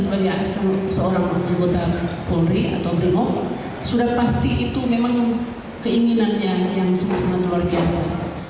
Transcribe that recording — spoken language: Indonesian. sudah pasti itu memang keinginannya yang sangat luar biasa